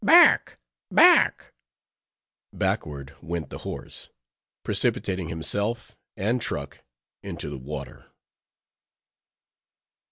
_ Backward went the horse, precipitating himself and truck into the water.